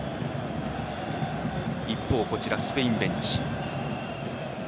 一方、スペインベンチ。